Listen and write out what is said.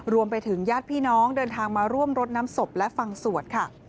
ญาติพี่น้องเดินทางมาร่วมรดน้ำศพและฟังสวดค่ะ